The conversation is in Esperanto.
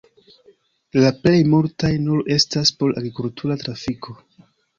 La plej multaj nur estas por agrikultura trafiko.